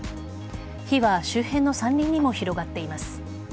火は周辺の山林にも広がっています。